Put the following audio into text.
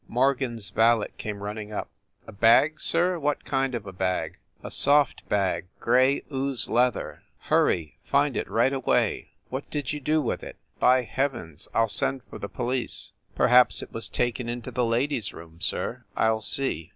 Morgan s valet came running up. "A bag, sir? What kind of a bag?" * A soft bag gray ooze leather! Hurry find it right away. What did you do with it ? By heav ens, I ll send for the police!" "Perhaps it was taken into the ladies room, sir; I ll see!"